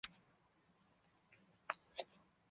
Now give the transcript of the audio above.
后来交趾太守士燮任命程秉为长史。